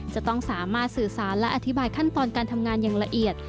จะต้องสามารถสื่อสารและอธิบายขั้นตอนการทำงานอย่างละเอียด